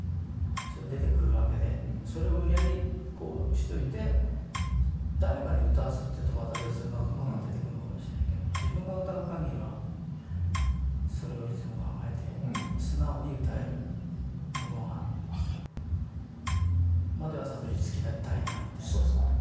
そりゃ出てくるわけでそれを無理やりこうしといて誰かに歌わすっていうとまた別のものが出てくんのかもしれんけど自分が歌う限りはそれをいつも考えて素直に歌えるものまではたどりつきたいなみたいな。